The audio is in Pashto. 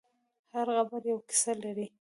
هر قبر یوه کیسه لري.